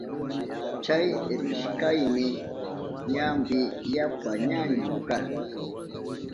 Chay rishkayni ñampi yapa ñañu karka.